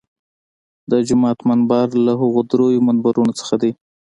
د جومات منبر له هغو درېیو منبرونو څخه دی.